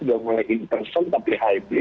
sudah mulai in person tapi hybrid